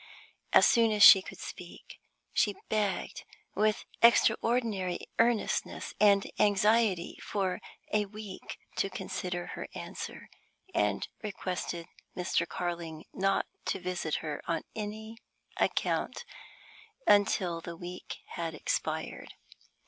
As soon as she could speak, she begged with extraordinary earnestness and anxiety for a week to consider her answer, and requested Mr. Carling not to visit her on any account until the week had expired.